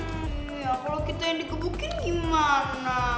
hmm ya kalau kita yang digebukin gimana